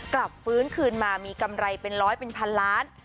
กลับฟื้นคืนมามีกำไรเป็นร้อยเป็นพันล้าน